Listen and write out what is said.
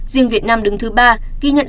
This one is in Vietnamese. riêng việt nam đứng thứ ba ghi nhận